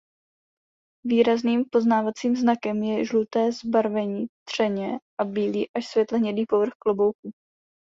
Výrazným poznávacím znakem je žluté zabarvení třeně a bílý až světle hnědý povrch klobouku.